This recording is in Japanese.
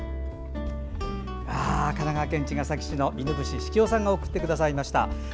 まずは、神奈川県茅ヶ崎市の犬伏式生さんが送ってくださいました。